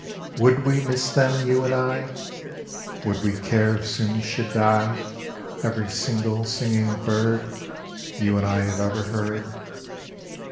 Would we miss them, you and I, Would we care if soon should die Every single singing bird You and I have ever heard?